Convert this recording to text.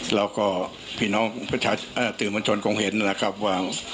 เราก็พี่น้องประชาชนตื่นบัญชนคงเห็นนะครับว่า